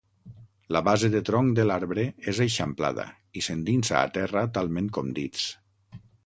La base de tronc de l'arbre és eixamplada i s'endinsa a terra talment com dits.